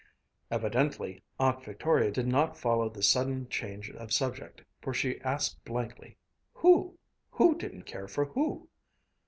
Evidently Aunt Victoria did not follow this sudden change of subject, for she asked blankly, "Who? Who didn't care for who?"